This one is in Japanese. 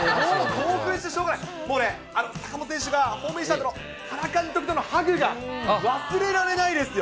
興奮してしょうがない、もうね、坂本選手がホームインしたあとの原監督とのハグが忘れられないですよ。